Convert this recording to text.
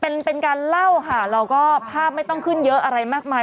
เป็นเป็นการเล่าค่ะเราก็ภาพไม่ต้องขึ้นเยอะอะไรมากมาย